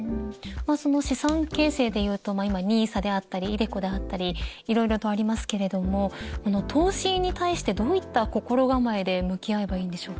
その資産形成でいうと今ＮＩＳＡであったりｉＤｅＣｏであったり色々とありますけれども投資に対してどういった心構えで向き合えばいいんでしょうか？